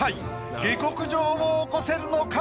下克上を起こせるのか？